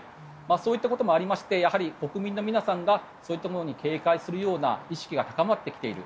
そういったこともありまして国民の皆さんがそういったものに警戒する意識が高まってきている。